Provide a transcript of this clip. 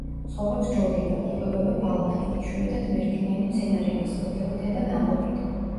ცხოვრობს ჯოგებად, იკვებება ბალახით, იშვიათად მერქნიანი მცენარეების ფოთლებითა და ნაყოფით.